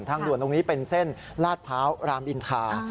ด่วนตรงนี้เป็นเส้นลาดพร้าวรามอินทา